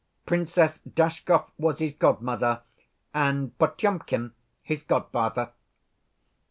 Princess Dashkov was his godmother, and Potyomkin his godfather."